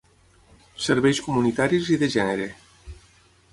Serveis comunitaris i de gènere.